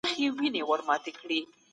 وخت لکه طلا ارزښت لري.